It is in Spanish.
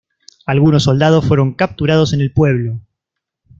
Algunos soldados fueron capturados en el pueblo.